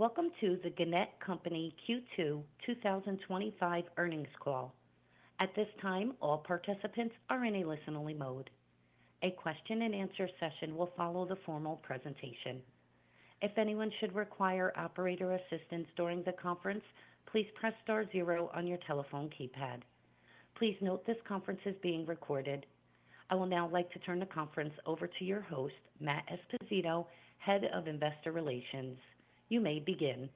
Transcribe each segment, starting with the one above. Greetings. Welcome to the Gannett Co Q2 2025 earnings call. At this time, all participants are in a listen-only mode. A question-and-answer session will follow the formal presentation. If anyone should require operator assistance during the conference, please press star zero on your telephone keypad. Please note this conference is being recorded. I would now like to turn the conference over to your host, Matt Esposito, Head of Investor Relations. You may begin.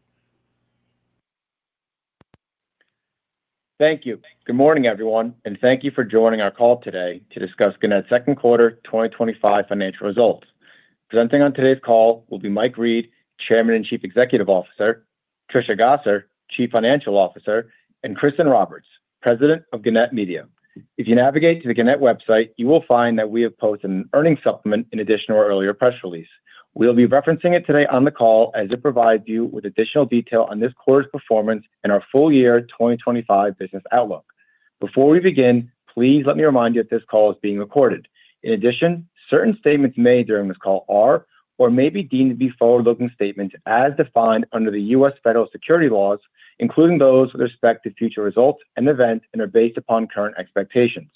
Thank you. Good morning everyone and thank you for joining our call today to discuss Gannett's second quarter 2025 financial results. Presenting on today's call will be Mike Reed, Chairman and Chief Executive Officer, Tricia Gosser, Chief Financial Officer, and Kristin Roberts, President of Gannett Media. If you navigate to the Gannett website, you will find that we have posted an earnings supplement in addition to our earlier press release. We will be referencing it today on the call as it provides you with additional detail on this quarter's performance and our full year 2025 business outlook. Before we begin, please let me remind you that this call is being recorded. In addition, certain statements made during this call are or may be deemed to be forward-looking statements as defined under the U.S. Federal Securities Laws, including those with respect to future results and events and are based upon current expectations.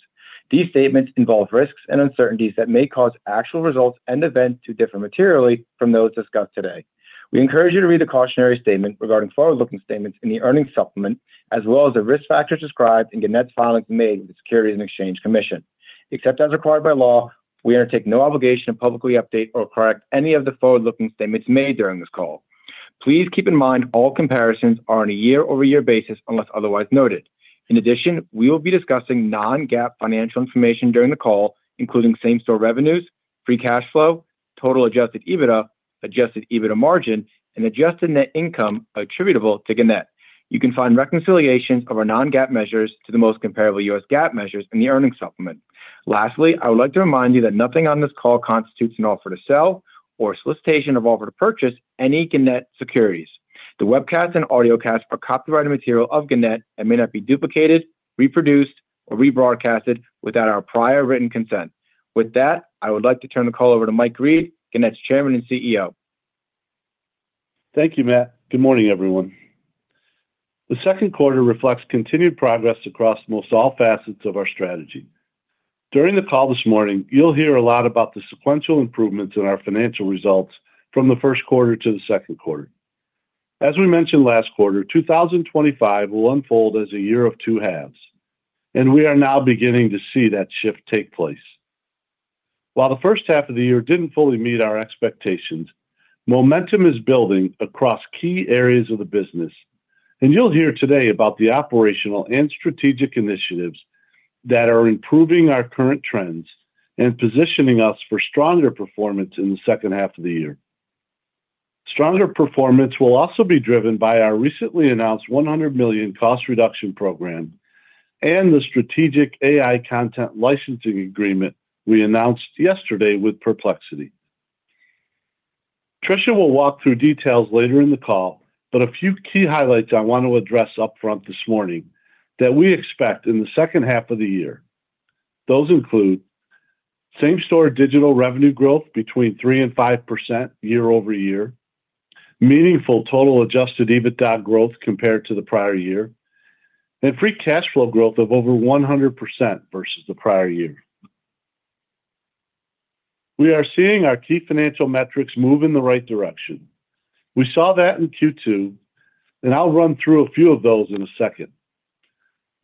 These statements involve risks and uncertainties that may cause actual results and events to differ materially from those discussed today. We encourage you to read the cautionary statement regarding forward-looking statements in the earnings supplement as well as the risk factors described in Gannett's filings made with the Securities and Exchange Commission. Except as required by law, we undertake no obligation to publicly update or correct any of the forward-looking statements made during this call. Please keep in mind all comparisons are on a year-over-year basis unless otherwise noted. In addition, we will be discussing non-GAAP financial information during the call including same store revenues, free cash flow, total adjusted EBITDA, adjusted EBITDA margin, and adjusted net income attributable to Gannett. You can find reconciliations of our non-GAAP measures to the most comparable U.S. GAAP measures in the earnings supplement. Lastly, I would like to remind you that nothing on this call constitutes an offer to sell or solicitation of an offer to purchase any Gannett securities. The webcast and audio cast are copyrighted material of Gannett and may not be duplicated, reproduced, or rebroadcast without our prior written consent. With that, I would like to turn the call over to Mike Reed, Gannett's Chairman and CEO. Thank you, Matt. Good morning everyone. The second quarter reflects continued progress across most all facets of our strategy. During the call this morning, you'll hear a lot about the sequential improvements in our financial results from the first quarter to the second quarter. As we mentioned last quarter, 2025 will unfold as a year of two halves and we are now beginning to see that shift take place. While the first half of the year didn't fully meet our expectations, momentum is building across key areas of the business and you'll hear today about the operational and strategic initiatives that are improving our current trends and positioning us for stronger performance in the second half of the year. Stronger performance will also be driven by our recently announced $100 million cost reduction program and the strategic AI content licensing agreement we announced yesterday with Perplexity. Tricia will walk through details later in the call, but a few key highlights I want to address up front this morning that we expect in the second half of the year. Those include same store digital revenue growth between 3% and 5% year-over-year, meaningful total adjusted EBITDA growth compared to the prior year, and free cash flow growth of over 100% versus the prior year. We are seeing our key financial metrics move in the right direction. We saw that in Q2 and I'll run through a few of those in a second.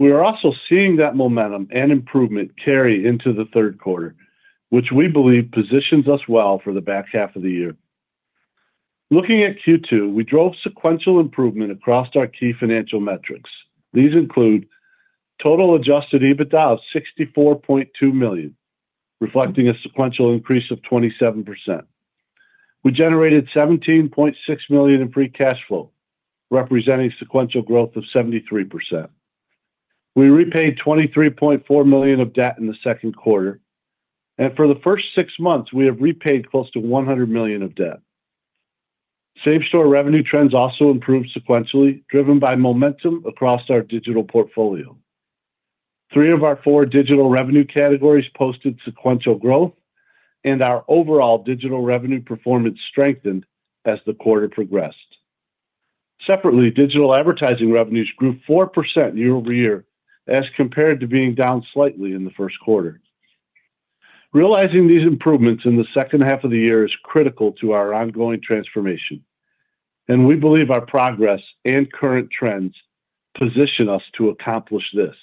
We are also seeing that momentum and improvement carry into the third quarter, which we believe positions us well for the back half of the year. Looking at Q2, we drove sequential improvement across our key financial metrics. These include total adjusted EBITDA of $64.2 million, reflecting a sequential increase of 27%. We generated $17.6 million in free cash flow, representing sequential growth of 73%. We repaid $23.4 million of debt in the second quarter and for the first six months we have repaid close to $100 million of debt. Same store revenue trends also improved sequentially driven by momentum across our digital portfolio. Three of our four digital revenue categories posted sequential growth and our overall digital revenue performance strengthened as the quarter progressed. Separately, digital advertising revenues grew 4% year-over-year as compared to being down slightly in the first quarter. Realizing these improvements in the second half of the year is critical to our ongoing transformation, and we believe our progress and current trends position us to accomplish this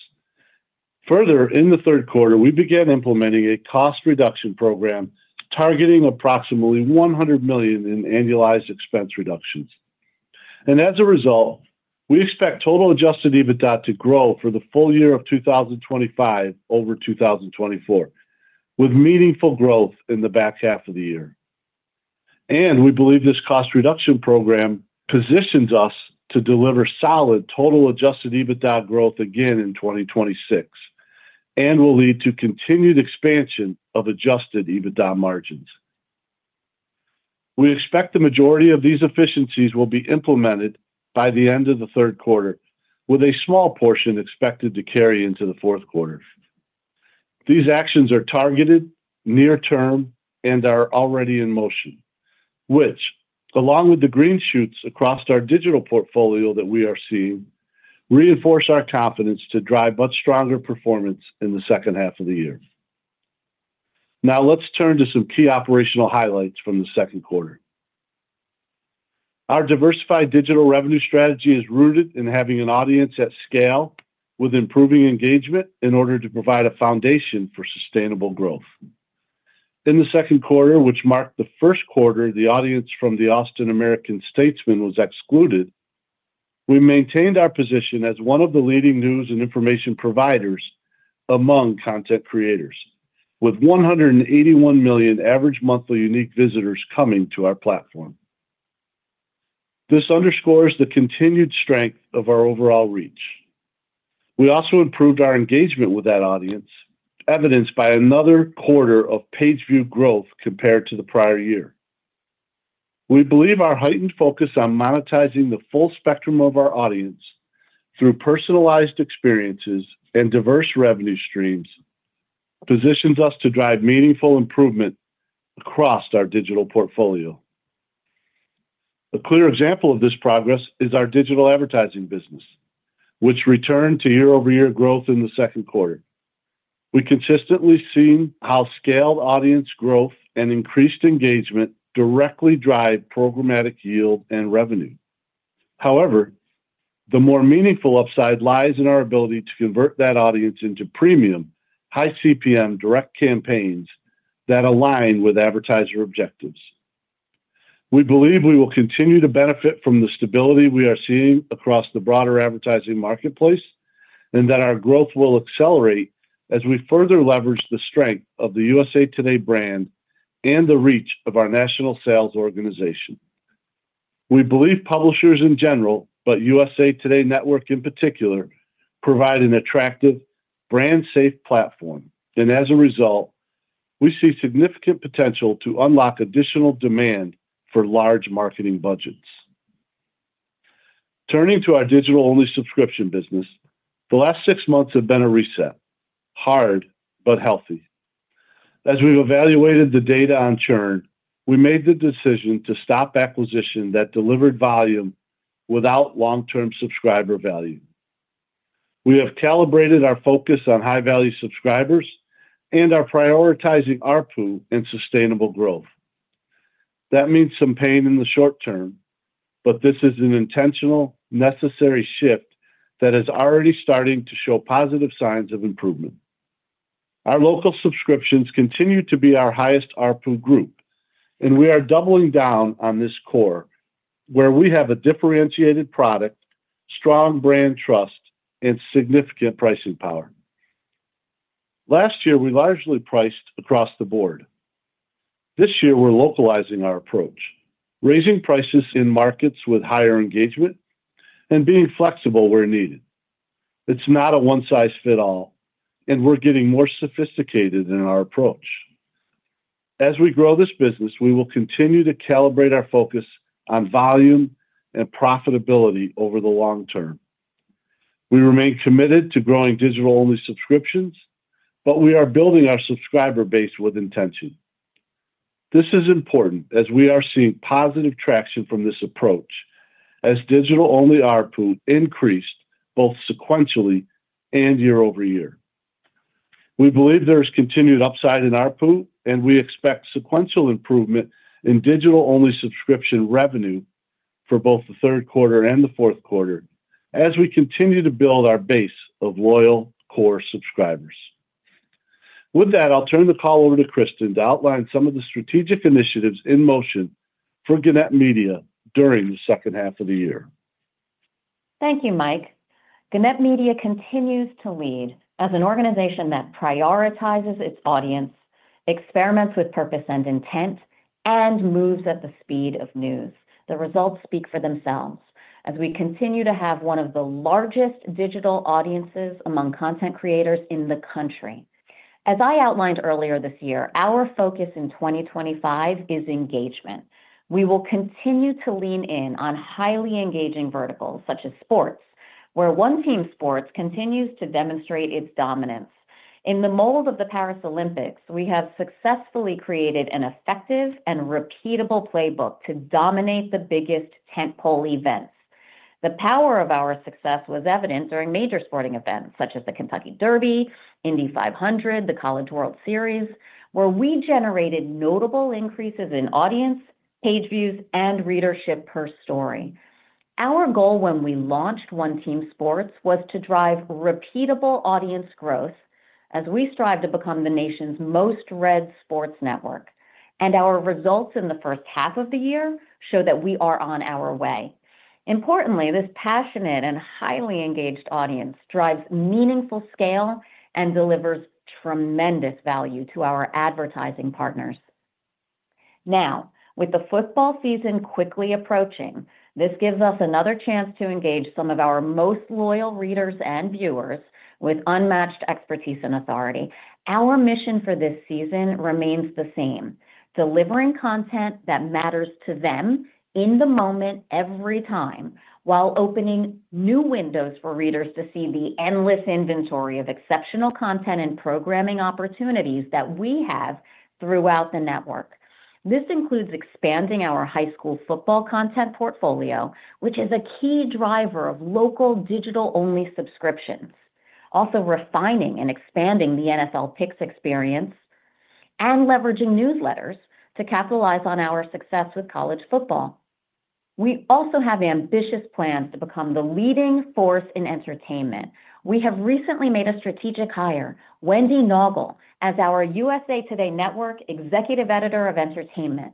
further. In the third quarter, we began implementing a cost reduction program targeting approximately $100 million in annualized expense reductions, and as a result, we expect total adjusted EBITDA to grow for the full year of 2025 over 2024, with meaningful growth in the back half of the year. We believe this cost reduction program positions us to deliver solid total adjusted EBITDA growth again in 2026 and will lead to continued expansion of adjusted EBITDA margins. We expect the majority of these efficiencies will be implemented by the end of the third quarter, with a small portion expected to carry into the fourth quarter. These actions are targeted near term and are already in motion, which, along with the green shoots across our digital portfolio that we are seeing, reinforce our confidence to drive much stronger performance in the second half of the year. Now let's turn to some key operational highlights from the second quarter. Our diversified digital revenue strategy is rooted in having an audience at scale with improving engagement. In order to provide a foundation for sustainable growth in the second quarter, which marked the first quarter the audience from the Austin American-Statesman was excluded, we maintained our position as one of the leading news and information providers among content creators with 181 million average monthly unique visitors coming to our platform. This underscores the continued strength of our overall reach. We also improved our engagement with that audience, evidenced by another quarter of page view growth compared to the prior year. We believe our heightened focus on monetizing the full spectrum of our audience through personalized experiences and diverse revenue streams positions us to drive meaningful improvement across our digital portfolio. A clear example of this progress is our digital advertising business, which returned to year-over-year growth in the second quarter. We have consistently seen how scaled audience growth and increased engagement directly drive programmatic yield and revenue. However, the more meaningful upside lies in our ability to convert that audience into premium high CPM direct campaigns that align with advertiser objectives. We believe we will continue to benefit from the stability we are seeing across the broader advertising marketplace, and that our growth will accelerate as we further leverage the strength of the USA TODAY brand and the reach of our national sales organization. We believe publishers in general, but the USA TODAY Network in particular, provide an attractive brand-safe platform, and as a result, we see significant potential to unlock additional demand for large marketing budgets. Turning to our digital-only subscription business, the last six months have been a reset, hard but healthy. As we've evaluated the data on churn, we made the decision to stop acquisition that delivered volume without long-term subscriber value. We have calibrated our focus on high-value subscribers and are prioritizing ARPU and sustainable growth. That means some pain in the short-term, but this is an intentional, necessary shift that is already starting to show positive signs of improvement. Our local subscriptions continue to be our highest ARPU group, and we are doubling down on this core where we have a differentiated product, strong brand trust, and significant pricing power. Last year, we largely priced across the Board. This year, we're localizing our approach, raising prices in markets with higher engagement and being flexible where needed. It's not a one-size-fits-all, and we're getting more sophisticated in our approach. As we grow this business, we will continue to calibrate our focus on volume and profitability over the long-term. We remain committed to growing digital-only subscriptions, but we are building our subscriber base with intention. This is important as we are seeing positive traction from this approach, as digital-only ARPU increased both sequentially and year-over-year. We believe there is continued upside in ARPU, and we expect sequential improvement in digital-only subscription revenue for both the third quarter and the fourth quarter as we continue to build our base of loyal core subscribers. With that, I'll turn the call over to Kristin to outline some of the strategic initiatives in motion for Gannett Media during the second half of the year. Thank you, Mike. Gannett Media continues to lead as an organization that prioritizes its audience, experiments with purpose and intent, and moves at the speed of news. The results speak for themselves as we continue to have one of the largest digital audiences among content creators in the country. As I outlined earlier this year, our focus in 2025 is engagement. We will continue to lean in on highly engaging verticals such as sports, where One Team Sports continues to demonstrate its dominance in the mold of the Paris Olympics. We have successfully created an effective and repeatable playbook to dominate the biggest tentpole events. The power of our success was evident during major sporting events such as the Kentucky Derby, Indy 500, and the College World Series, where we generated notable increases in audience and page views and readership per story. Our goal when we launched One Team Sports was to drive repeatable audience growth as we strive to become the nation's most read sports network, and our results in the first half of the year show that we are on our way. Importantly, this passionate and highly engaged audience drives meaningful scale and delivers tremendous value to our advertising partners. Now, with the football season quickly approaching, this gives us another chance to engage some of our most loyal readers and viewers with unmatched expertise and authority. Our mission for this season remains the same, delivering content that matters to them in the moment every time, while opening new windows for readers to see the endless inventory of exceptional content and programming opportunities that we have throughout the network. This includes expanding our high school football content portfolio, which is a key driver of local digital-only subscriptions. Also, refining and expanding the NFL picks experience and leveraging newsletters to capitalize on our success with college football. We also have ambitious plans to become the leading force in entertainment. We have recently made a strategic hire with Wendy Naugle as our USA TODAY Network Executive Editor of Entertainment.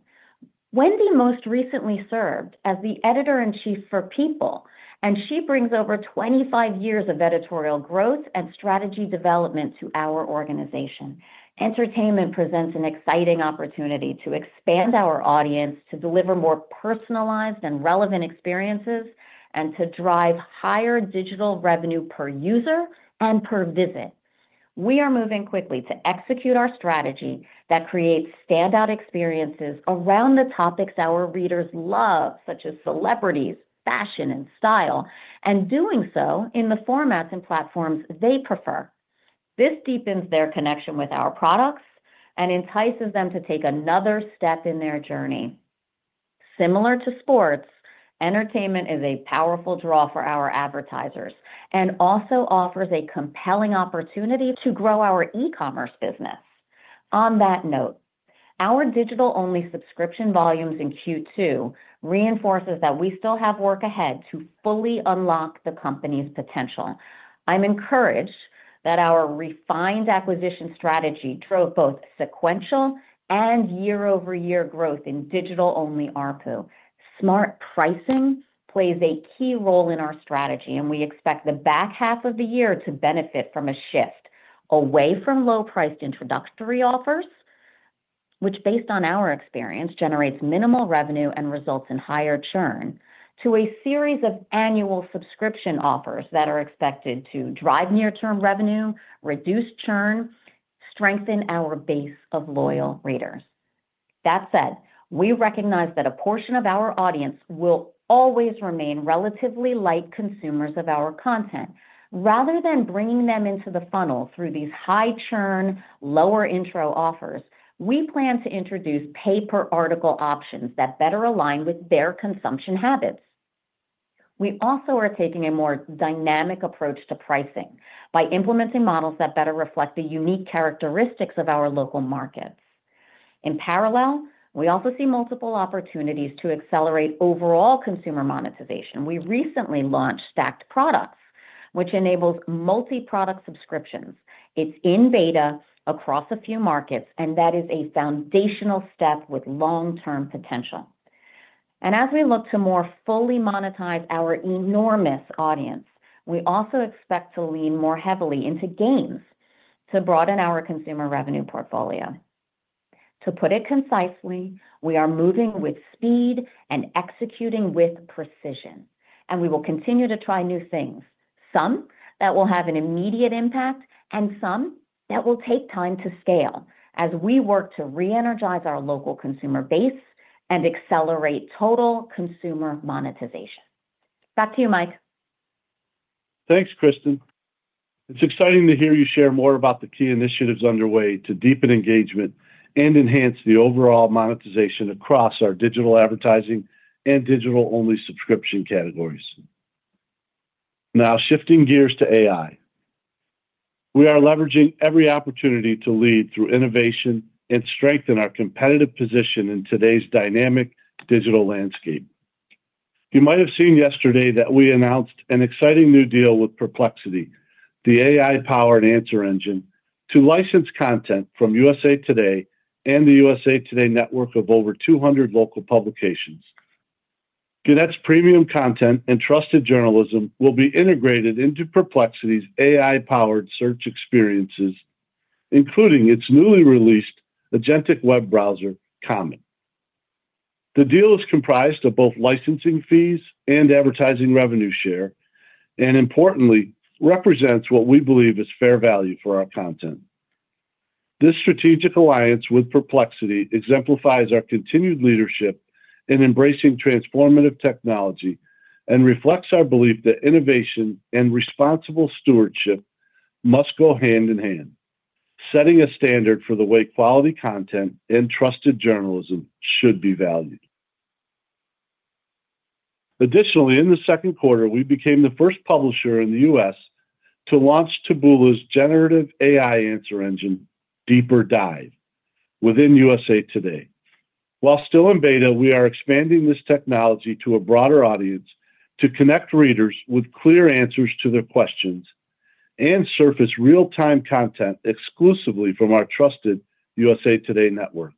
Wendy most recently served as the Editor in Chief for People, and she brings over 25 years of editorial growth and strategy development to our organization. Entertainment presents an exciting opportunity to expand our audience, to deliver more personalized and relevant experiences, and to drive higher digital revenue per user and per visit. We are moving quickly to execute our strategy that creates standout experiences around the topics our readers love, such as Celebrities, Fashion and Style, and doing so in the formats and platforms they prefer. This deepens their connection with our products and entices them to take another step in their journey. Similar to sports, entertainment is a powerful draw for our advertisers and also offers a compelling opportunity to grow our e-commerce business. On that note, our digital-only subscription volumes in Q2 reinforce that we still have work ahead to fully unlock the company's potential. I'm encouraged that our refined acquisition strategy drove both sequential and year-over-year growth in digital-only ARPU. Smart pricing plays a key role in our strategy and we expect the back half of the year to benefit from a shift away from low-priced introductory offers, which based on our experience generate minimal revenue and result in higher churn, to a series of annual subscription offers that are expected to drive near-term revenue, reduce churn, and strengthen our base of loyal readers. That said, we recognize that a portion of our audience will always remain relatively light consumers of our content. Rather than bringing them into the funnel through these high-churn, lower intro offers, we plan to introduce pay-per-article options that better align with their consumption habits. We also are taking a more dynamic approach to pricing by implementing models that better reflect the unique characteristics of our local markets. In parallel, we also see multiple opportunities to accelerate overall consumer monetization. We recently launched Stacked Products, which enables multi-product subscriptions. It's in beta across a few markets and that is a foundational step with long-term potential. As we look to more fully monetize our enormous audience, we also expect to lean more heavily into gains to broaden our consumer revenue portfolio. To put it concisely, we are moving with speed and executing with precision, and we will continue to try new things, some that will have an immediate impact and some that will take time to scale as we work to re-energize our local consumer base and accelerate total consumer monetization. Back to you, Mike. Thanks, Kristin. It's exciting to hear you share more about the key initiatives underway to deepen engagement and enhance the overall monetization across our digital advertising and digital-only subscription categories. Now shifting gears to AI, we are leveraging every opportunity to lead through innovation and strengthen our competitive position in today's dynamic digital landscape. You might have seen yesterday that we announced an exciting new deal with Perplexity, the AI-powered answer engine, to license content from USA TODAY and the USA TODAY Network of over 200 local publications. Gannett's premium content and trusted journalism will be integrated into Perplexity's AI-powered search experiences, including its newly released agentic web browser Commet. The deal is comprised of both licensing fees and advertising revenue share and, importantly, represents what we believe is fair value for our content. This strategic alliance with Perplexity exemplifies our continued leadership in embracing transformative technology and reflects our belief that innovation and responsible stewardship must go hand-in-hand, setting a standard for the way quality content and trusted journalism should be valued. Additionally, in the second quarter, we became the first publisher in the U.S. to launch Taboola's generative AI answer engine, DeeperDive, within USA TODAY. While still in beta, we are expanding this technology to a broader audience to connect readers with clear answers to their questions and surface real-time content exclusively from our trusted USA TODAY Network.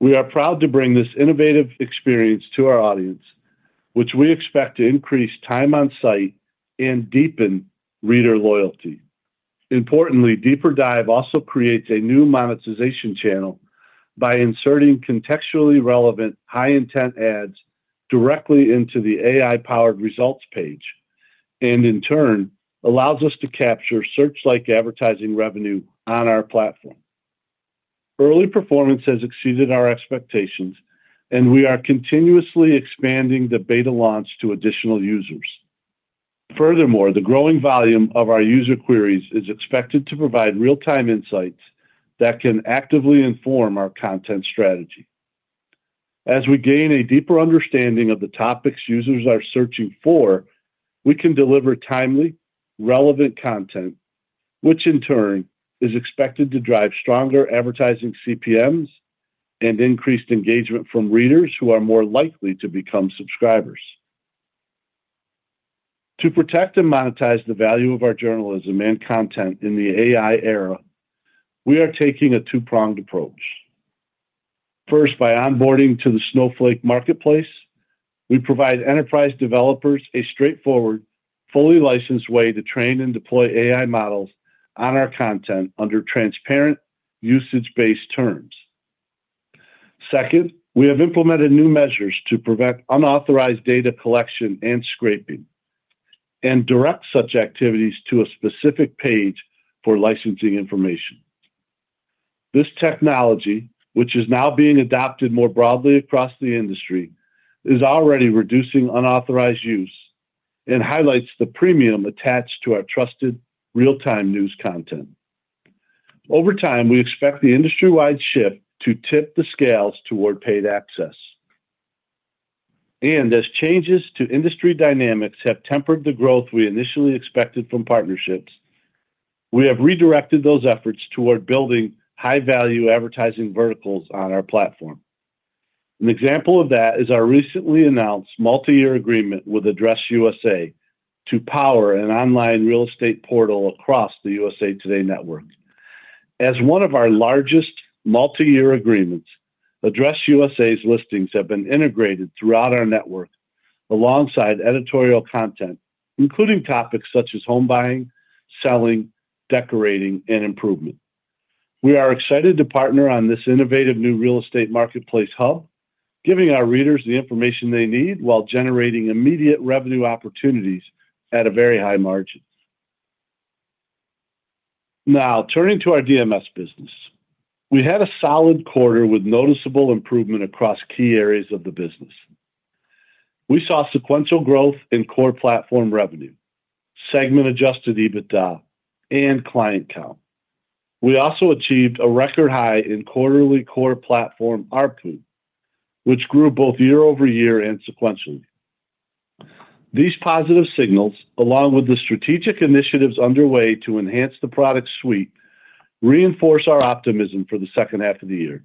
We are proud to bring this innovative experience to our audience, which we expect to increase time on site and deepen reader loyalty. Importantly, DeeperDive also creates a new monetization channel by inserting contextually relevant, high-intent ads directly into the AI-powered results page and, in turn, allows us to capture search-like advertising revenue on our platform. Early performance has exceeded our expectations, and we are continuously expanding the beta launch to additional users. Furthermore, the growing volume of our user queries is expected to provide real-time insights that can actively inform our content strategy. As we gain a deeper understanding of the topics users are searching for, we can deliver timely, relevant content, which in turn is expected to drive stronger advertising CPMs and increased engagement from readers who are more likely to become subscribers. To protect and monetize the value of our journalism and content in the AI era, we are taking a two-pronged approach. First, by onboarding to the Snowflake Marketplace, we provide enterprise developers a straightforward, fully licensed way to train and deploy AI models on our content under transparent usage-based terms. Second, we have implemented new measures to prevent unauthorized data collection and scraping, and direct such activities to a specific page for licensing information. This technology, which is now being adopted more broadly across the industry, is already reducing unauthorized use and highlights the premium attached to our trusted real-time news content. Over time, we expect the industry-wide shift to tip the scales toward paid access. As changes to industry dynamics have tempered the growth we initially expected from partnerships, we have redirected those efforts toward building high-value advertising verticals on our platform. An example of that is our recently announced multi-year agreement with AddressUSA to power an online real estate portal across the USA TODAY Network. As one of our largest multi-year agreements, AddressUSA's listings have been integrated throughout our network alongside editorial content, including topics such as home buying, selling, decorating, and improvement. We are excited to partner on this innovative new real estate marketplace hub, giving our readers the information they need while generating immediate revenue opportunities at a very high margin. Now turning to our DMS business, we had a solid quarter with noticeable improvement across key areas of the business. We saw sequential growth in core platform revenue, segment adjusted EBITDA, and client count. We also achieved a record high in quarterly core platform ARPU, which grew both year-over-year and sequentially. These positive signals, along with the strategic initiatives underway to enhance the product suite, reinforce our optimism for the second half of the year.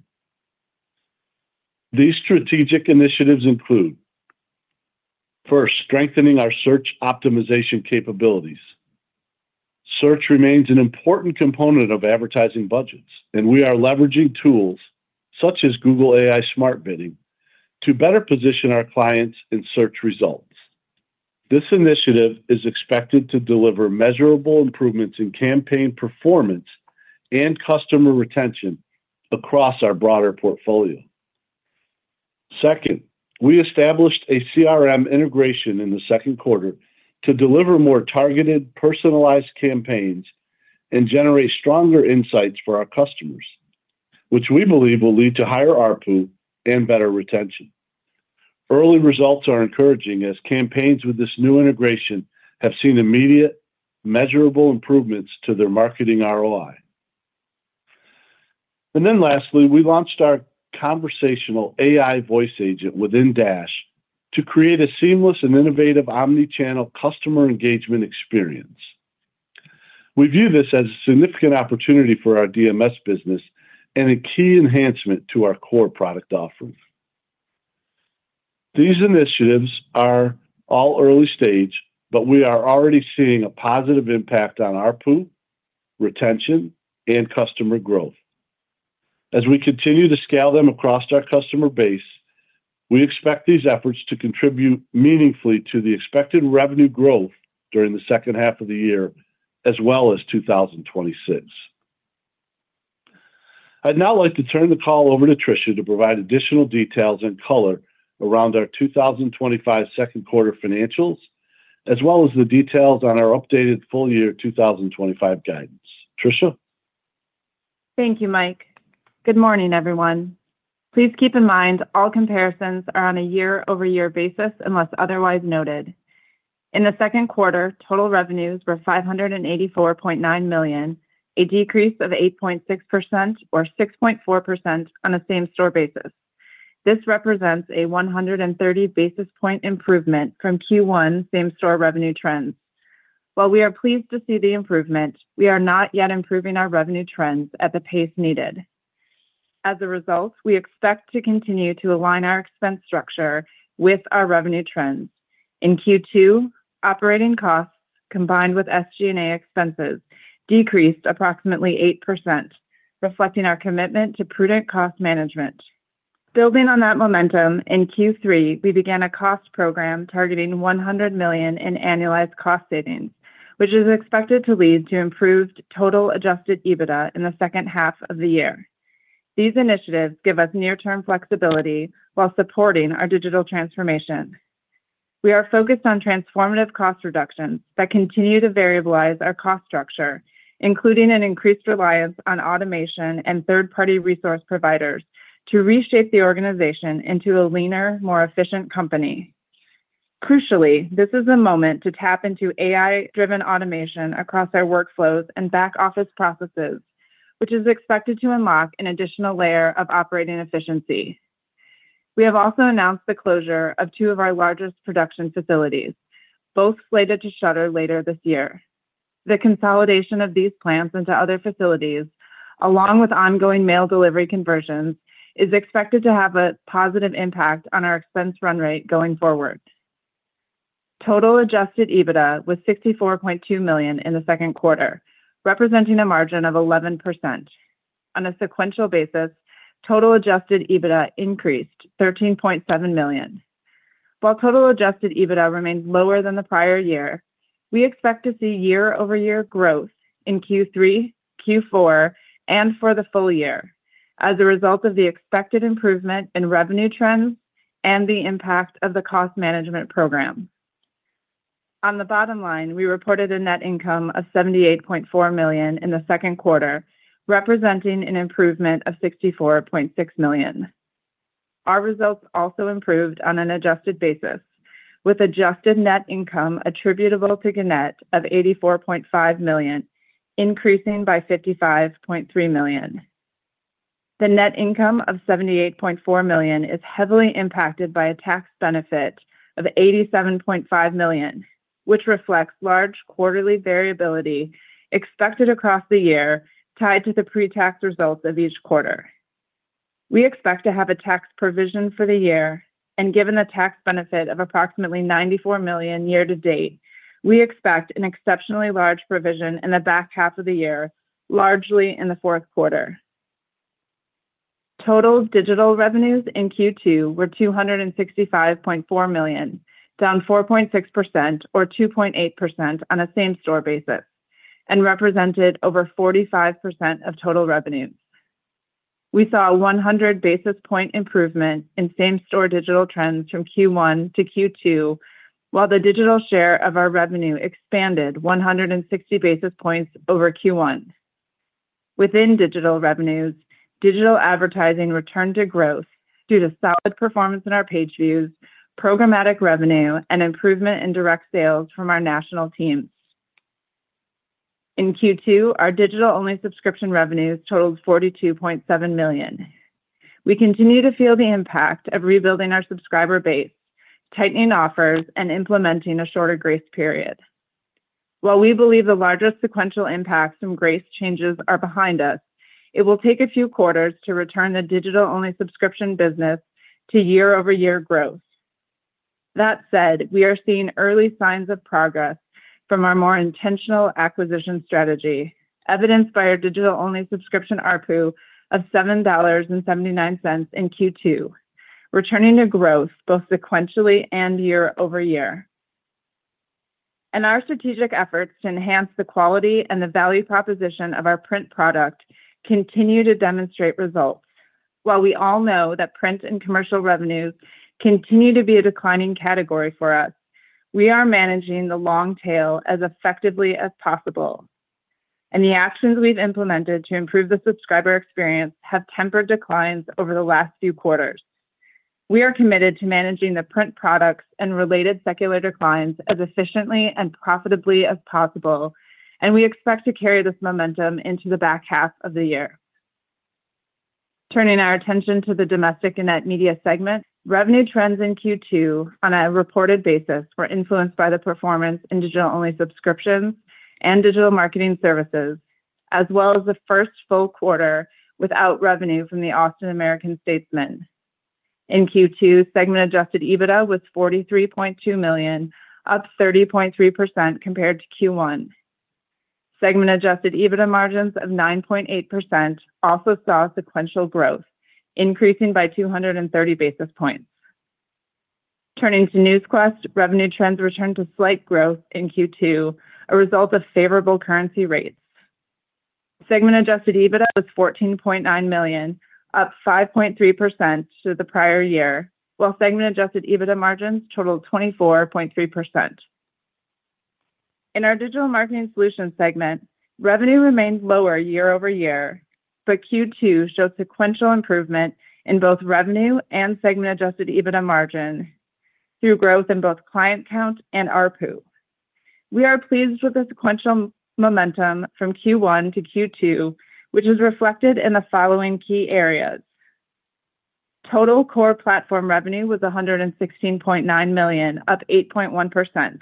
These strategic initiatives include, first, strengthening our search optimization capabilities. Search remains an important component of advertising budgets, and we are leveraging tools such as Google AI Smart Bidding to better position our clients in search results. This initiative is expected to deliver measurable improvements in campaign performance and customer retention across our broader portfolio. Second, we established a CRM integration in the second quarter to deliver more targeted, personalized campaigns and generate stronger insights for our customers, which we believe will lead to higher ARPU and better retention. Early results are encouraging, as campaigns with this new integration have seen immediate, measurable improvements to their marketing ROI. Lastly, we launched our conversational AI voice agent within Dash to create a seamless and innovative omnichannel customer engagement experience. We view this as a significant opportunity for our DMS business and a key enhancement to our core product offerings. These initiatives are all early stage, but we are already seeing a positive impact on ARPU, retention, and customer growth as we continue to scale them across our customer base. We expect these efforts to contribute meaningfully to the expected revenue growth during the second half of the year as well as 2026. I'd now like to turn the call over to Tricia to provide additional details and color around our 2025 second quarter financials as well as the details on our updated full year 2025 guidance. Tricia. Thank you, Mike. Good morning, everyone. Please keep in mind all comparisons are on a year-over-year basis unless otherwise noted. In the second quarter, total revenues were $584.9 million, a decrease of 8.6% or 6.4% on a same-store basis. This represents a 130 basis point improvement from Q1 same-store revenue trends. While we are pleased to see the improvement, we are not yet improving our revenue trends at the pace needed. As a result, we expect to continue to align our expense structure with our revenue trends. In Q2, operating costs combined with SG&A expenses decreased approximately 8%, reflecting our commitment to prudent cost management. Building on that momentum, in Q3 we began a cost program targeting $100 million in annualized cost savings, which is expected to lead to improved total adjusted EBITDA in the second half of the year. These initiatives give us near-term flexibility while supporting our digital transformation. We are focused on transformative cost reductions that continue to variabilize our cost structure, including an increased reliance on automation and third-party resource providers, to reshape the organization into a leaner, more efficient company. Crucially, this is a moment to tap into AI-driven automation across our workflows and back-office processes, which is expected to unlock an additional layer of operating efficiency. We have also announced the closure of two of our largest production facilities, both slated to shutter later this year. The consolidation of these plants into other facilities, along with ongoing mail delivery conversions, is expected to have a positive impact on our expense run rate going forward. Total adjusted EBITDA was $64.2 million in the second quarter, representing a margin of 11%. On a sequential basis, total adjusted EBITDA increased $13.7 million, while total adjusted EBITDA remained lower than the prior year. We expect to see year-over-year growth in Q3, Q4, and for the full year as a result of the expected improvement in revenue trends and the impact of the cost management program on the bottom line. We reported a net income of $78.4 million in the second quarter, representing an improvement of $64.6 million. Our results also improved on an adjusted basis, with adjusted net income attributable to Gannett of $84.5 million, increasing by $55.3 million. The net income of $78.4 million is heavily impacted by a tax benefit of $87.5 million, which reflects large quarterly variability expected across the year tied to the pre-tax results of each quarter. We expect to have a tax provision for the year, and given the tax benefit of approximately $94 million year-to-date, we expect an exceptionally large provision in the back half of the year, largely in the fourth quarter. Total digital revenues in Q2 were $265.4 million, down 4.6% or 2.8% on a same-store basis, and represented over 45% of total revenue. We saw a 100 basis point improvement in same-store digital trends from Q1 to Q2, and while the digital share of our revenue expanded 160 basis points over Q1, within digital revenues, digital advertising returned to growth due to solid performance in our page views, programmatic revenue, and improvement in direct sales from our national teams. In Q2, our digital-only subscription revenues totaled $42.7 million. We continue to feel the impact of rebuilding our subscriber base, tightening offers, and implementing a shorter grace period. While we believe the largest sequential impacts from grace changes are behind us, it will take a few quarters to return the digital-only subscription business to year-over-year growth. That said, we are seeing early signs of progress from our more intentional acquisition strategy, evidenced by our digital-only subscription ARPU of $7.79 in Q2 returning to growth both sequentially and year-over-year, and our strategic efforts to enhance the quality and the value proposition of our print product continue to demonstrate results. While we all know that print and commercial revenues continue to be a declining category for us, we are managing the long tail as effectively as possible, and the actions we've implemented to improve the subscriber experience have tempered declines over the last few quarters. We are committed to managing the print products and related secular declines as efficiently and profitably as possible, and we expect to carry this momentum into the back half of the year. Turning our attention to the Domestic and Net Media segment, revenue trends in Q2 on a reported basis were influenced by the performance in digital-only subscriptions and digital marketing services, as well as the first full quarter without revenue from the Austin American-Statesman. In Q2, segment adjusted EBITDA was $43.2 million, up 30.3% compared to Q1. Segment adjusted EBITDA margins of 9.8% also saw sequential growth, increasing by 230 basis points. Turning to Newsquest, revenue trends returned to slight growth in Q2, a result of favorable currency rates. Segment adjusted EBITDA was $14.9 million, up 5.3% to the prior year, while segment adjusted EBITDA margins totaled 24.3%. In our Digital Market Inclusion segment revenue remained lower year-over-year, but Q2 showed sequential improvement in both revenue and segment adjusted EBITDA margin through growth in both client count and ARPU. We are pleased with the sequential momentum from Q1 to Q2, which is reflected in the following key areas. Total core platform revenue was $116.9 million, up 8.1%.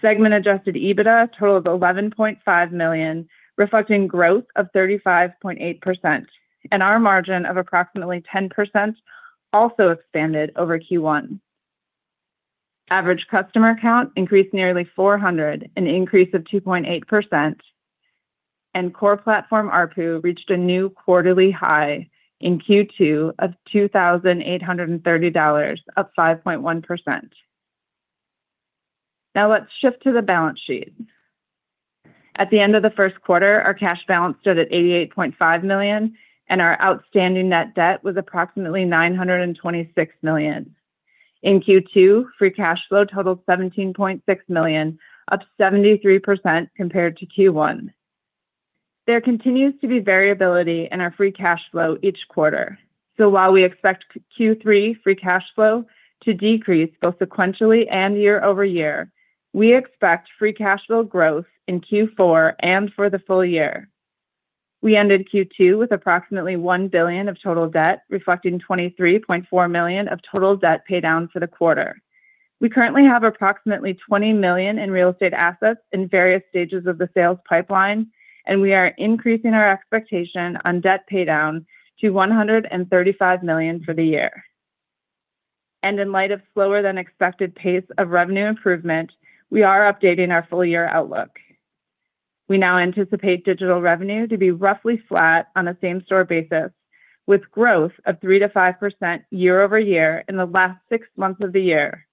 Segment adjusted EBITDA totaled $11.5 million, reflecting growth of 35.8%, and our margin of approximately 10% also expanded over Q1. Average customer count increased nearly 400, an increase of 2.8%, and core platform ARPU reached a new quarterly high in Q2 of $2,830, up 5.1%. Now let's shift to the balance sheet. At the end of the first quarter, our cash balance stood at $88.5 million and our outstanding net debt was approximately $926 million. In Q2, free cash flow totaled $17.6 million, up 73% compared to Q1. There continues to be variability in our free cash flow each quarter. While we expect Q3 free cash flow to decrease both sequentially and year-over-year, we expect free cash flow growth in Q4 and for the full year. We ended Q2 with approximately $1 billion of total debt, reflecting $23.4 million of total debt pay down for the quarter. We currently have approximately $20 million in real estate assets in various stages of the sales pipeline, and we are increasing our expectation on debt pay down to $135 million for the year. In light of the slower than expected pace of revenue improvement, we are updating our full year outlook. We now anticipate digital revenue to be roughly flat on the same store basis, with growth of 3%-5% year-over-year in the last six months of the year,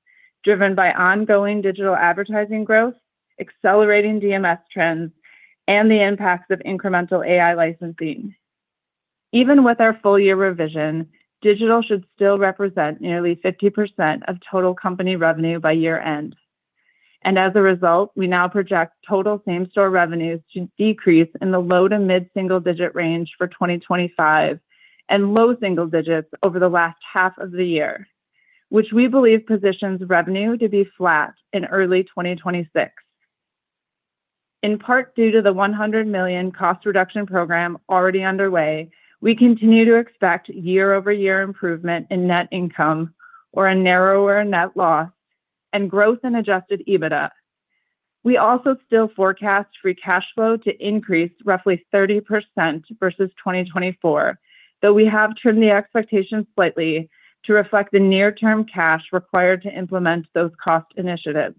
driven by ongoing digital advertising growth, accelerating DMS trends, and the impacts of incremental AI licensing. Even with our full year revision, digital should still represent nearly 50% of total company revenue by year end, and as a result, we now project total same store revenues to decrease in the low to mid single digit range for 2025 and low single digits over the last half of the year, which we believe positions revenue to be flat in early 2026 in part due to the $100 million cost reduction program already underway. We continue to expect year-over-year improvement in net income or a narrower net loss and growth in adjusted EBITDA. We also still forecast free cash flow to increase roughly 30% versus 2024, though we have trimmed the expectations slightly to reflect the near term cash required to implement those cost initiatives.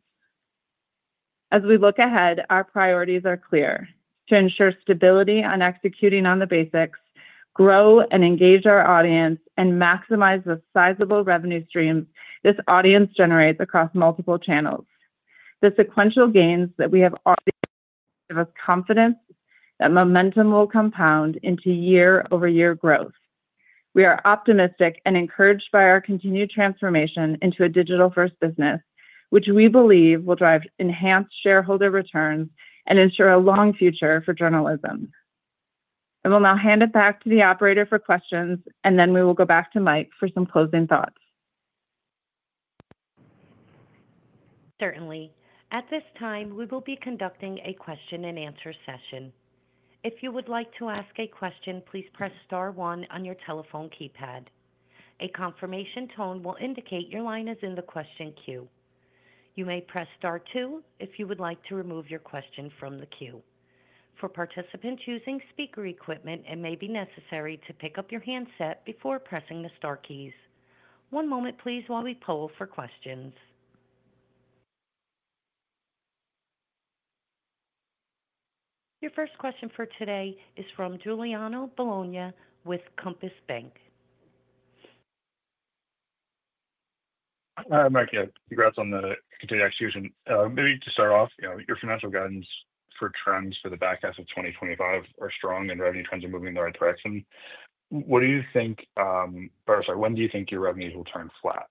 As we look ahead, our priorities are clear to ensure stability on executing on the basics, grow and engage our audience, and maximize the sizable revenue streams this audience generates across multiple channels. The sequential gains that we have already give us confidence that momentum will compound into year-over-year growth. We are optimistic and encouraged by our continued transformation into a digital first business, which we believe will drive enhanced shareholder returns and ensure a long future for journalism. I will now hand it back to the operator for questions, and then we will go back to Mike for some closing thoughts. Certainly. At this time, we will be conducting a question-and-answer session. If you would like to ask a question, please press star one on your telephone keypad. A confirmation tone will indicate your line is in the question queue. You may press star two if you would like to remove your question from the queue. For participants using speaker equipment, it may be necessary to pick up your handset before pressing the star keys. One moment, please, while we poll for questions. Your first question for today is from Giuliano Bologna with Compass Bank. Hi Mike, congrats on the execution. Maybe to start off, your. Financial guidance for trends for the back half of 2025 are strong, and revenue trends are moving in the right direction. What do you think? When do you think your revenues will turn flat?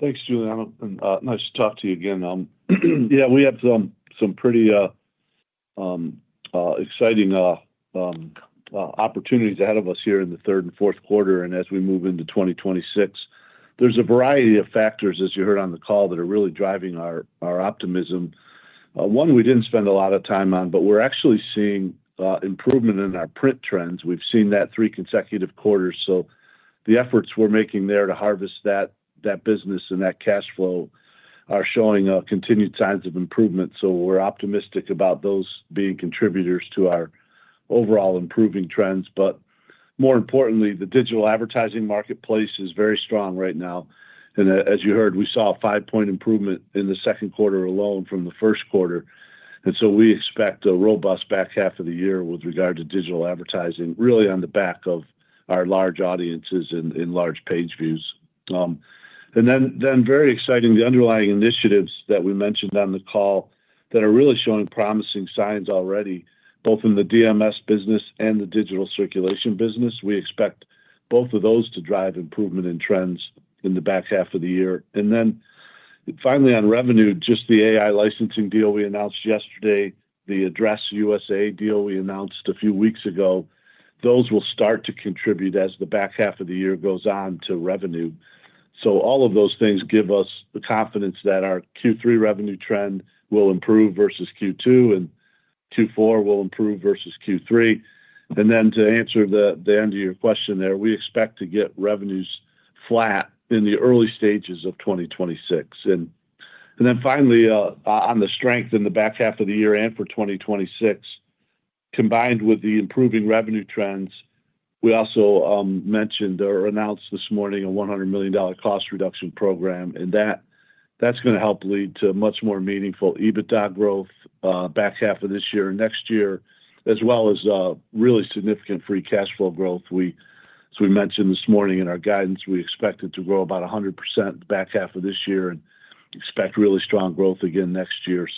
Thanks, Giuliano. Nice to talk to you again. We have some pretty exciting opportunities ahead of us here in the third and fourth quarter and as we move into 2026, there's a variety of factors, as you heard on the call, that are really driving our optimism. One we didn't spend a lot of time on, but we're actually seeing improvement in our print trends. We've seen that three consecutive quarters. The efforts we're making there to harvest that business and that cash flow are showing continued signs of improvement. We're optimistic about those being contributors to our overall improving trends. More importantly, the digital advertising marketplace is very strong right now. As you heard, we saw a 5% improvement in the second quarter alone from the first quarter. We expect a robust back half of the year with regard to digital advertising, really on the back of our large audiences and large page views. Very exciting, the underlying initiatives that we mentioned on the call that are really showing promising signs already both in the DMS business and the digital circulation business, we expect both of those to drive improvement in trends in the back half of the year. Finally on revenue, just the AI content licensing deal we announced yesterday, the AddressUSA deal we announced a few weeks ago, those will start to contribute as the back half of the year goes on to revenue. All of those things give us the confidence that our Q3 revenue trend will improve versus Q2 and Q4 will improve versus Q3. To answer the end to your question there, we expect to get revenues flat in the early stages of 2026. Finally on the strength in the back half of the year and for 2026, combined with the improving revenue trends, we also mentioned or announced this morning a $100 million cost reduction program and that's going to help lead to much more meaningful EBITDA growth back half of this year and next year, as well as really significant free cash flow growth. As we mentioned this morning in our guidance, we expect it to grow about 100% back half of this year and expect really strong growth again next year.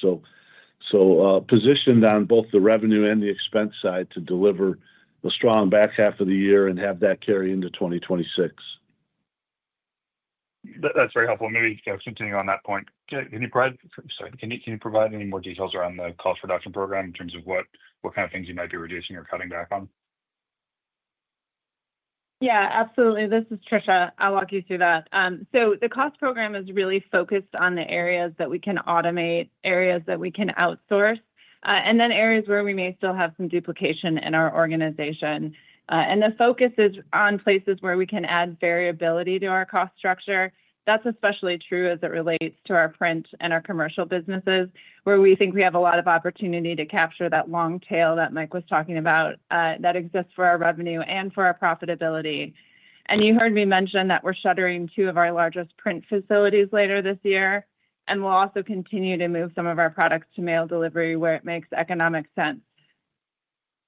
Positioned on both the revenue and the expense side to deliver a strong back half of the year and have that carry into 2026. That's very helpful. Maybe continue on that point. Can you provide any more details around the cost reduction program in terms of what kind of things you might be reducing or cutting back on? Yeah, absolutely. This is Tricia, I'll walk you through that. The cost program is really focused on the areas that we can automate, areas that we can outsource, and then areas where we may still have some duplication in our organization. The focus is on places where we can add variability to our cost structure. That's especially true as it relates to our print and our commercial businesses, where we think we have a lot of opportunity to capture that long tail that Mike was talking about that exists for our revenue and for our profitability. You heard me mention that we're shuttering two of our largest print facilities later this year. We'll also continue to move some of our products to mail delivery where it makes economic sense.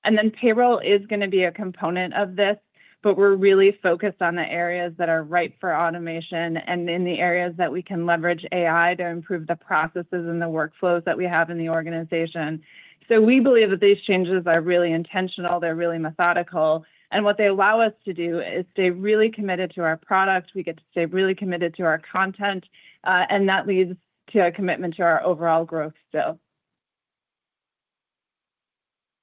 Payroll is going to be a component of this. We're really focused on the areas that are ripe for automation and in the areas that we can leverage AI to improve the processes and the workflows that we have in the organization. We believe that these changes are really intentional. They're really methodical. What they allow us to do is stay really committed to our product. We get to stay really committed to our content, and that leads to a commitment to our overall growth still.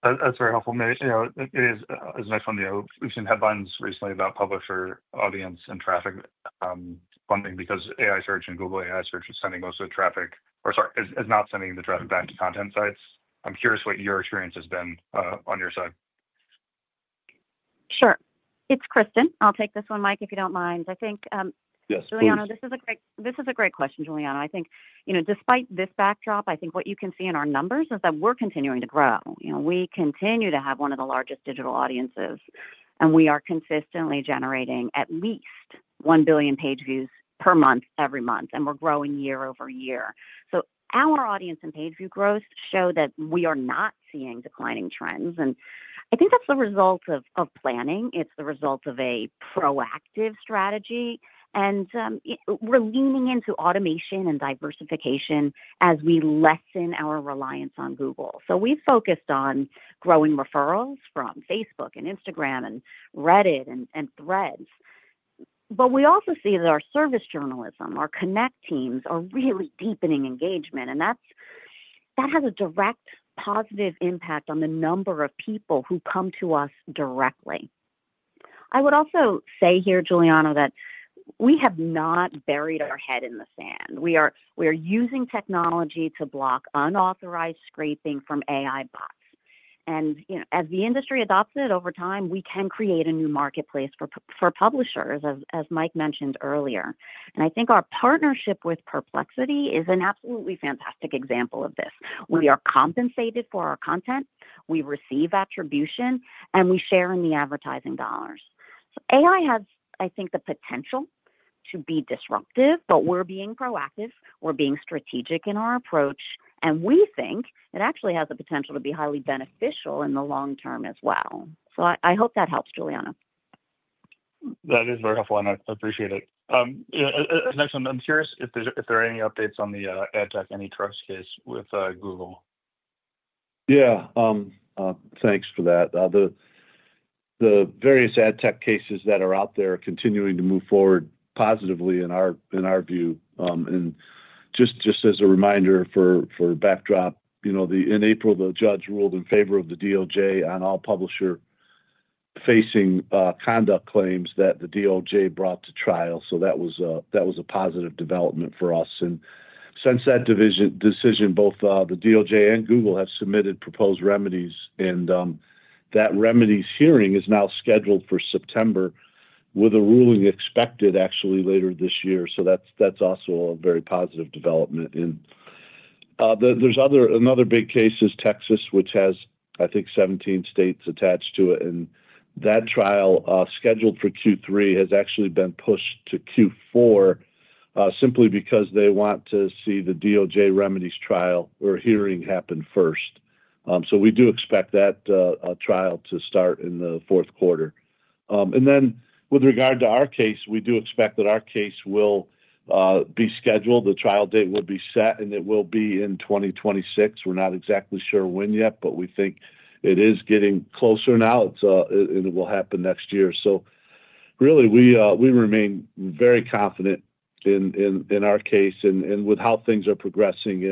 That's very helpful. You know, it is a nice one. We've seen headlines recently about publisher, audience, and traffic funding because AI Search and Google AI Search is sending most of the traffic, or sorry, is not sending the traffic back to content sites. I'm curious what your experience has been on your side. Sure. It's Kristin. I'll take this one, Mike. If you don't mind, I think. Yes, please. Giulino, this is a great question, Giuliano. I think, despite this backdrop. I think what you can see in our numbers is that we're continuing to grow. We continue to have one of the largest digital audiences, and we are consistently generating at least 1 billion page views per month every month. We're growing year-over-year. Our audience and page view growth show that we are not seeing declining trends. I think that's the result of planning, it's the result of a proactive strategy. We're leaning into automation and diversification as we lessen our reliance on Google. We focused on growing referrals from Facebook, Instagram, Reddit, and Threads. We also see that our service journalism, our Connect teams, are really deepening engagement, and that has a direct, positive impact on the number of people who come to us directly. I would also say, Giuliano, that we have not buried our head in the sand. We are using technology to block unauthorized scraping from AI bots. As the industry adopts it over time, we can create a new marketplace for publishers, as Mike mentioned earlier. I think our partnership with Perplexity is an absolutely fantastic example of this. We are compensated for our content, we receive attribution, and we share in the advertising dollars. AI has, I think, the potential to be disruptive, but we're being proactive, we're being strategic in our approach, and we think it actually has the potential to be highly beneficial in the long-term as well. I hope that helps Giuliano. That is very helpful and I appreciate it. I'm curious if there are any updates on the ad tech antitrust case with Google? Yeah, thanks for that. The various ad tech cases that are out there are continuing to move forward positively in our view. Just as a reminder for backdrop, in April, the judge ruled in favor of the DOJ on all publisher-facing conduct claims that the DOJ brought to trial. That was a positive development for us. Since that decision, both the DOJ and Google have submitted proposed remedies. That remedies hearing is now scheduled for September with a ruling expected later this year. That's also a very positive development. There's another big case, Texas, which has, I think, 17 states attached to it. That trial scheduled for Q3 has actually been pushed to Q4 simply because they want to see the DOJ remedies trial or hearing happen first. We do expect that trial to start in the fourth quarter. With regard to our case, we do expect that our case will be scheduled, the trial date will be set, and it will be in 2026. We're not exactly sure when yet, but we think it is getting closer now and it will happen next year. We remain very confident in our case and with how things are progressing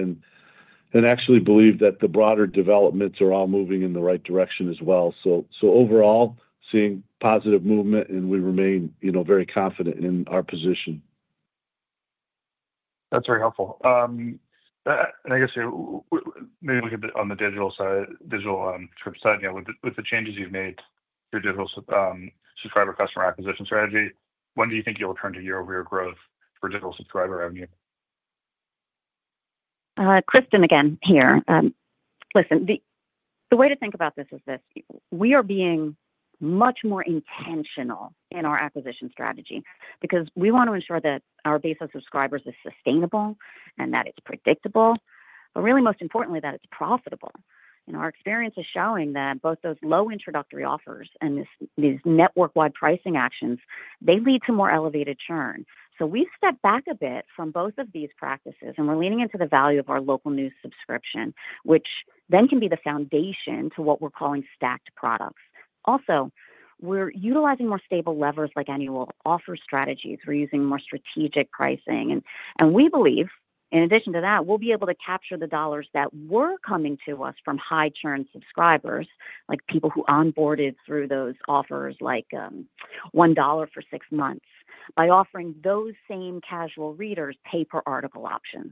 and actually believe that the broader developments are all moving in the right direction as well. Overall, seeing positive movement and we remain very confident in our position. That's very helpful. Maybe on the digital-only subscription side, with the changes you've made, your digital subscriber customer acquisition strategy, when do you think you'll turn to year-over-year growth for digital subscriber revenue? Kristin, again here. Listen, the way to think about this is that we are being much more intentional in our acquisition strategy because we want to ensure that our digital-only subscribers is sustainable and that it's predictable, but really most importantly that it's profitable. Our experience is showing that both those low introductory offers and these network-wide pricing actions lead to more elevated churn. We stepped back a bit from both of these practices and we're leaning into the value of our local news subscription, which then can be the foundation to what we're calling Stacked Products. Also, we're utilizing more stable levers like annual offer strategies, we're using more strategic pricing, and we believe in addition to that we'll be able to capture the dollars that were coming to us from high churn subscribers like people who onboarded through those offers like $1 for six months by offering those same casual readers pay-per-article options.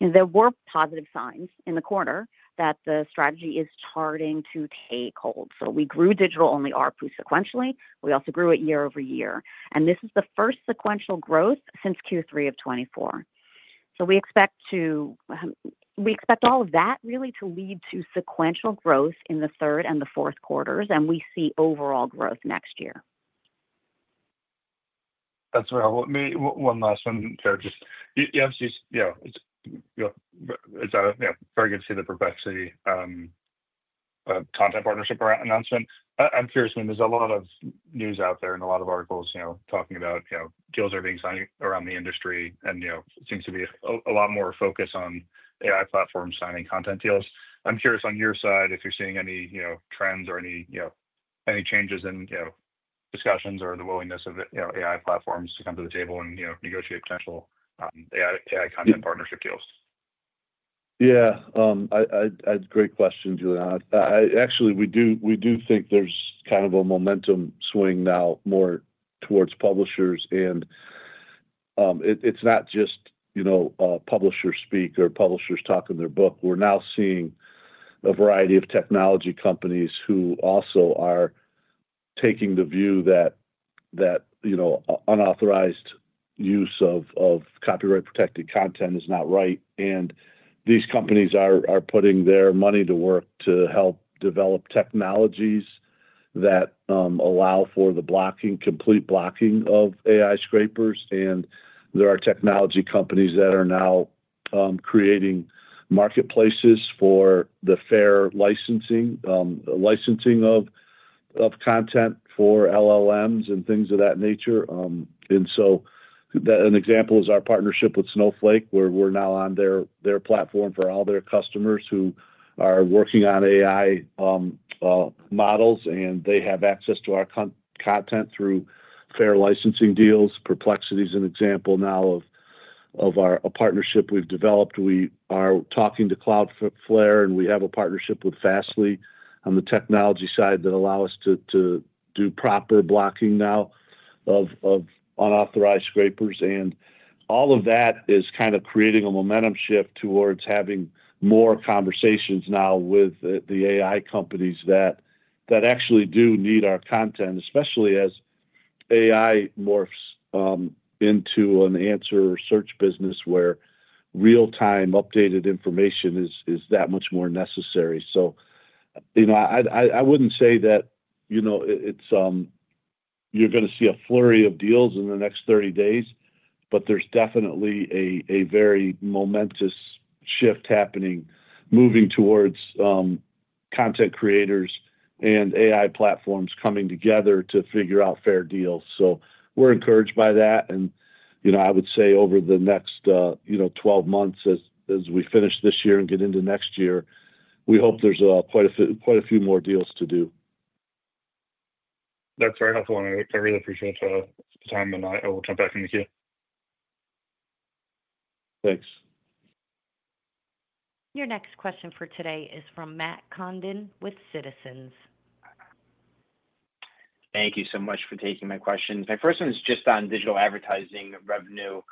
There were positive signs in the quarter that the strategy is starting to take hold. We grew digital-only ARPU sequentially. We also grew it year-over-year, and this is the first sequential growth since Q3 of 2024. We expect all of that to lead to sequential growth in the third and the fourth quarters, and we see overall growth next year. That's right. It's very good to see the propensity content partnership announcement. I'm curious. I mean there's a lot of news out there and a lot of articles talking about deals are being signed around the industry, and it seems to be a lot more focus on AI platform signing content deals. I'm curious on your side if you're seeing any trends or any changes in discussions or the willingness of AI platforms to come to the table and negotiate potential AI content partnership deals. Yeah, great question, Giuliano. Actually, we do think there's kind of a momentum swing now more towards publishers. It's not just publishers speak or publishers talking their book. We're now seeing a variety of technology companies who also are taking the view that unauthorized use of copyright-protected content is not right. These companies are putting their money to work to help develop technologies that allow for the blocking, complete blocking of AI scrapers. There are technology companies that are now creating marketplaces for the fair licensing of content for LLMs and things of that nature. An example is our partnership with Snowflake, where we're now on their platform for all their customers who are working on AI models, and they have access to our content through fair licensing deals. Perplexity is an example of a partnership we've developed. We are talking to Cloudflare, and we have a partnership with Fastly on the technology side that allows us to do proper blocking now of unauthorized scrapers. All of that is creating a momentum shift towards having more conversations now with the AI companies that actually do need our content, especially as AI morphs into an answer search business where real-time updated information is that much more necessary. I wouldn't say that you're going to see a flurry of deals in the next 30 days, but there's definitely a very momentous shift happening, moving towards content creators and AI platforms coming together to figure out fair deals. We're encouraged by that, and I would say over the next 12 months, as we finish this year and get into next year, we hope there's quite a few more deals to do. That's very helpful, and I really appreciate the time. I will jump back in the queue. Thanks. Your next question for today is from Matt Condon with Citizens. Thank you so much for taking my question. My first one is just on digital advertising revenue.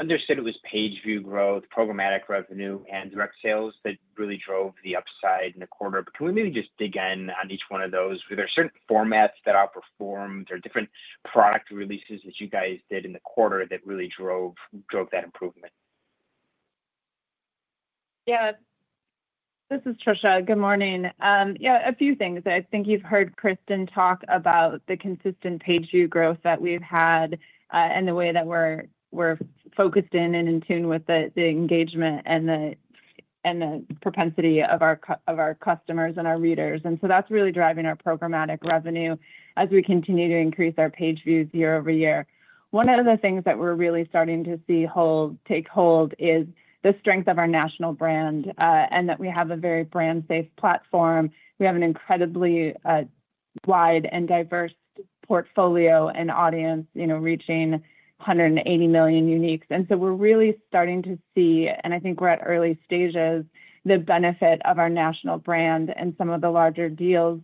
Understood it was page view growth, programmatic revenue, and direct sales that really drove the upside in the quarter. Can we maybe just dig in on each one of those? Were there certain formats that outperformed or different product releases that you guys did in the quarter that really drove growth, drove that improvement? Yeah, this is Tricia. Good morning. A few things, I think you've heard Kristin talk about the consistent page view growth that we've had and the way that we're focused in and in tune with the engagement and the propensity of our customers and our readers. That's really driving our programmatic revenue as we continue to increase our page views year-over-year. One of the things that we're really starting to see take hold is the strength of our national brand and that we have a very brand safe platform. We have an incredibly wide and diverse portfolio and audience, you know, reaching 180 million uniques. We're really starting to see, and I think we're at early stages, the benefit of our national brand and some of the larger deals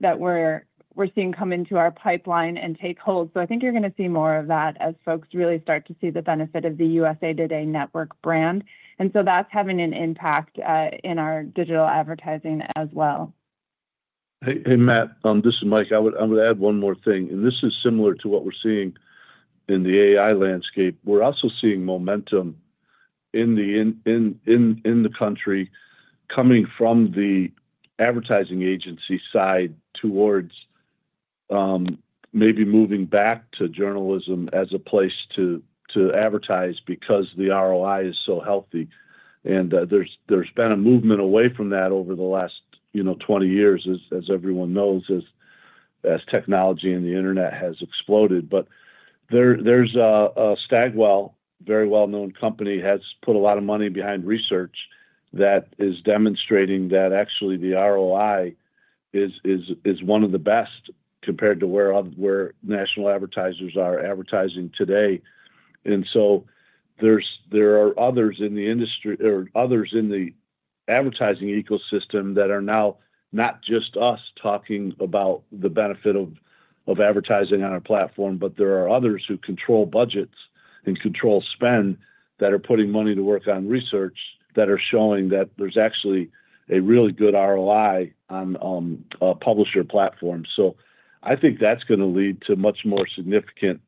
that we're seeing come into our pipeline and take hold. I think you're going to see more of that as folks really start to see the benefit of the USA TODAY Network brand. That's having an impact in our digital advertising as well. Hey Matt, this is Mike. I would add one more thing and this is similar to what we're seeing in the AI landscape. We're also seeing momentum in the country coming from the advertising agency side towards maybe moving back to journalism as a place to advertise because the ROI is so healthy. There's been a movement away from that over the last 20 years as everyone knows as technology and the Internet has exploded. There is a Stagwell, a very well known company, has put a lot of money behind research that is demonstrating that actually the ROI is one of the best compared to where national advertisers are advertising today. There are others in the industry or others in the advertising ecosystem that are now not just us talking about the benefit of advertising on our platform, but there are others who control budgets and control spend that are putting money to work on research that are showing that there's actually a really good ROI on publisher platforms. I think that's going to lead to much more significant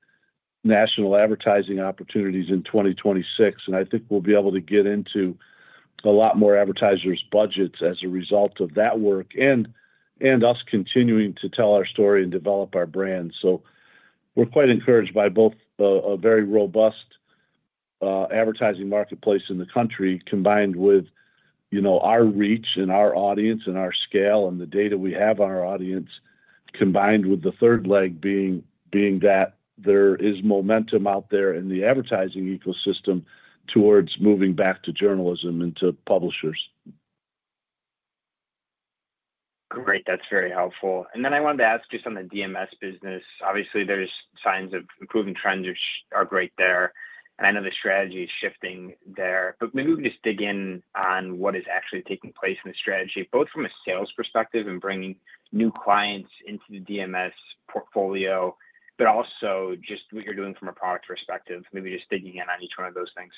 national advertising opportunities in 2026. I think we'll be able to get into a lot more advertisers' budgets as a result of that work and us continuing to tell our story and develop our brand. We're quite encouraged by both a very robust advertising marketplace in the country combined with our reach and our audience and our scale and the data we have, our audience combined with the third leg being that there is momentum out there in the advertising ecosystem towards moving back to journalism and to publishers. Great, that's very helpful. I wanted to ask, just on the DMS business, obviously there's signs of improving trends which are great there. I know the strategy is shifting there, but maybe we can just dig in on what is actually taking place in the strategy, both from a sales perspective and bringing new clients into the DMS portfolio, but also just what you're doing from a product perspective, maybe just digging in on each one of those things.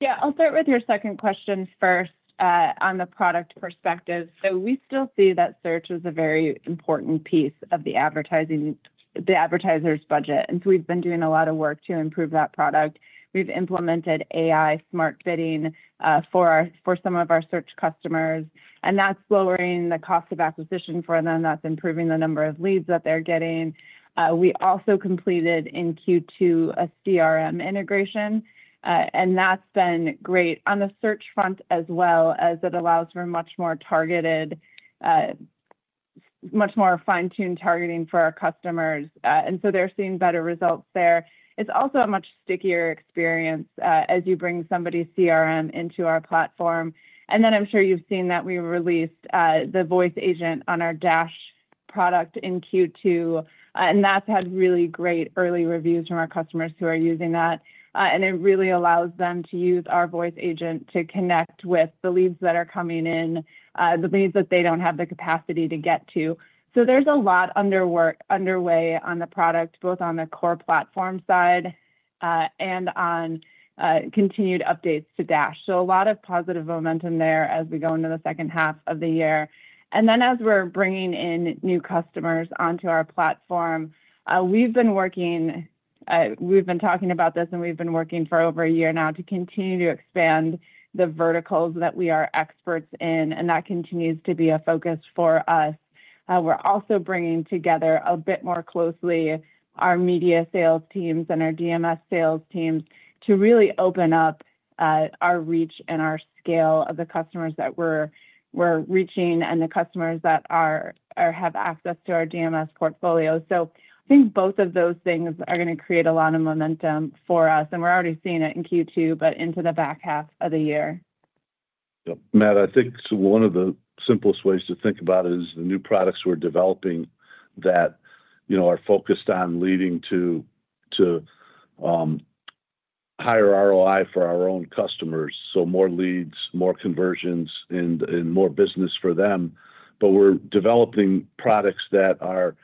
Yeah, I'll start with your second question first on the product perspective. We still see that search is a very important piece of the advertising, the advertiser's budget, and we've been doing a lot of work to improve that product. We've implemented AI Smart Bidding for some of our search customers, and that's lowering the cost of acquisition for them, that's improving the number of leads that they're getting. We also completed in Q2 a CRM integration, and that's been great on the search front as well, as it allows for much more targeted, much more fine-tuned targeting for our customers, and they're seeing better results there. It's also a much stickier experience as you bring somebody's CRM into our platform. I'm sure you've seen that we released the voice agent on our Dash product in Q2, and that's had really great early reviews from our customers who are using that. It really allows them to use our voice agent to connect with the leads that are coming in, the leads that they don't have the capacity to get to. There's a lot of work underway on the product, both on the core platform side and on continued updates to Dash. A lot of positive momentum there as we go into the second half of the year, and as we're bringing in new customers onto our platform. We've been talking about this and we've been working for over a year now to continue to expand the verticals that we are experts in, and that continues to be a focus for us. We're also bringing together a bit more closely our media sales teams and our DMS sales teams to really open up our reach and our scale of the customers that we're reaching and the customers that have access to our DMS portfolio. I think both of those things are going to create a lot of momentum for us, and we're already seeing it in Q2 but into the back half of the year, Matt, I think. One of the simplest ways to think about it is the new products we're developing that are focused on leading to higher ROI for our own customers. More leads, more conversions, and more business for them. We're developing products that are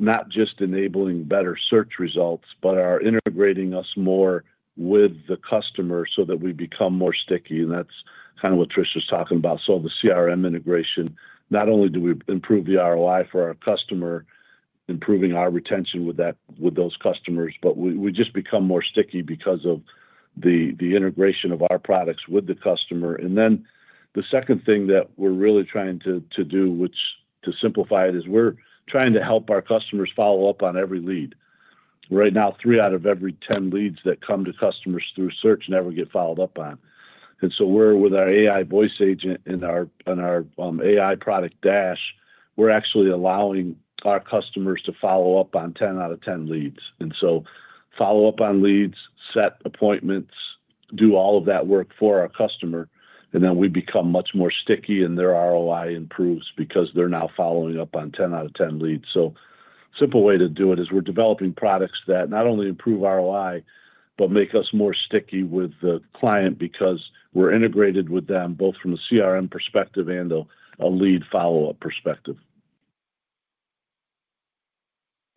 not just enabling better search results, but are integrating us more with the customer so that we become more sticky. That's what Trisha was talking about. The CRM integration, not only do we improve the ROI for our customer, improving our retention with those customers, but we just become more sticky because of the integration of our products with the customer. The second thing that we're really trying to do, to simplify it, is we're trying to help our customers follow up on every lead. Right now, three out of every 10 leads that come to customers through search never get followed up on. With our AI voice agent in our AI product Dash, we're actually allowing our customers to follow up on 10 out of 10 leads. Follow up on leads, set appointments, do all of that work for our customer. We become much more sticky and their ROI improves because they're now following up on 10 out of 10 leads. A simple way to do it is we're developing products that not only improve ROI, but make us more sticky with the client because we're integrated with them both from the CRM perspective and the lead follow up perspective.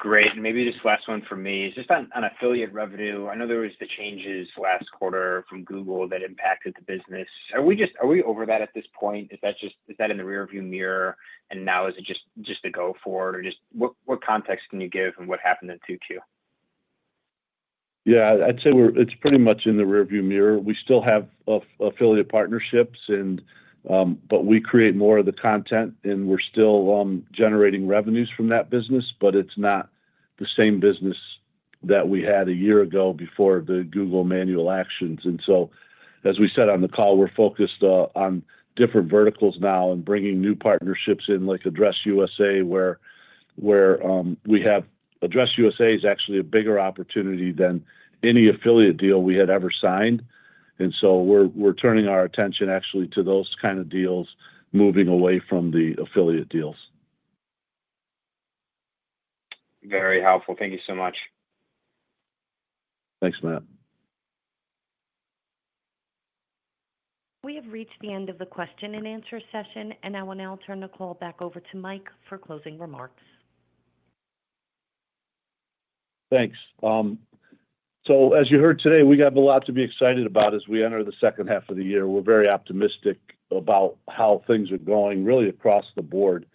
Great. Maybe this last one for me, is it on affiliate revenue? I know there were the changes last quarter from Google that impacted the business. Are we over that at this point? Is that in the rear view mirror and now is it just to go forward or what context can you give and what happened in 2Q? Yeah, I'd say we're, it's pretty much in the rearview mirror. We still have affiliate partnerships, and we create more of the content and we're still generating revenues from that business, but it's not the same business that we had a year ago before the Google manual actions. As we said on the call, we're focused on different verticals now and bringing new partnerships in like AddressUSA, where AddressUSA is actually a bigger opportunity than any affiliate deal we had ever signed. We're turning our attention actually to those kind of deals, moving away from the affiliate deals. Very helpful. Thank you so much. Thanks, Matt. We have reached the end of the question-and-answer session, and I will now turn the call back over to Mike for closing remarks. Thanks. As you heard today, we have a lot to be excited about as we enter the second half of the year. We're very optimistic about how things are going really across the Board.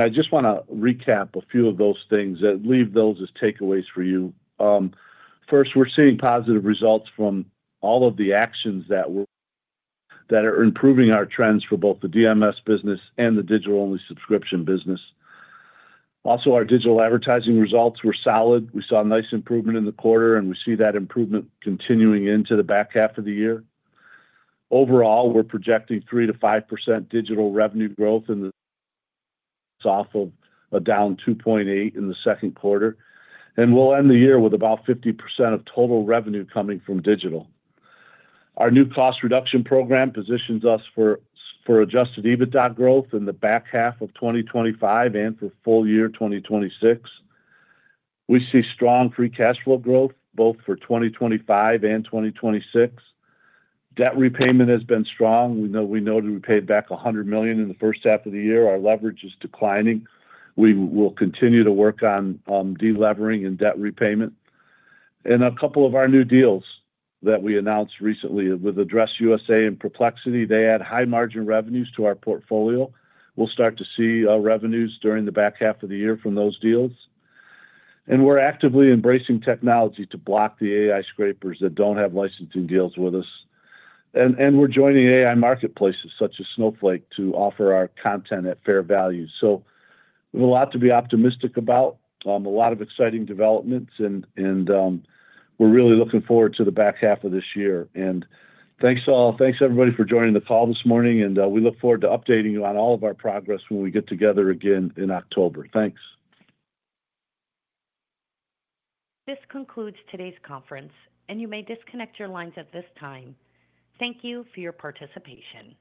I just want to recap a few of those things that leave those as takeaways for you. First, we're seeing positive results from all of the actions that are improving our trends for both the DMS business and the digital-only subscription business. Also, our digital advertising results were solid. We saw nice improvement in the quarter, and we see that improvement continuing into the back half of the year. Overall, we're projecting 3%-5% digital revenue growth, down 2.8% in the second quarter, and we'll end the year with about 50% of total revenue coming from digital. Our new cost reduction program positions us for adjusted EBITDA growth in the back half of 2025 and for full year 2026. We see strong free cash flow growth both for 2025 and 2026. Debt repayment has been strong. We know that we paid back $100 million in the first half of the year. Our leverage is declining. We will continue to work on delevering and debt repayment. A couple of our new deals that we announced recently with AddressUSA and Perplexity add high margin revenues to our portfolio. We'll start to see revenues during the back half of the year from those deals, and we're actively embracing technology to block the AI scrapers that don't have licensing deals with us. We're joining AI marketplaces such as Snowflake to offer our content at fair value. A lot to be optimistic about, a lot of exciting developments, and we're really looking forward to the back half of this year. Thanks all. Thanks everybody for joining the call this morning, and we look forward to updating you on all of our progress when we get together again in October. Thanks. This concludes today's conference, and you may disconnect your lines at this time. Thank you for your participation.